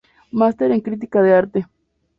Master en crítica de arte.